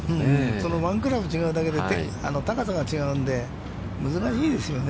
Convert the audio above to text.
そのワンクラブ違うだけで、高さが違うんで難しいですよね。